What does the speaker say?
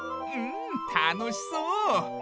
うんたのしそう！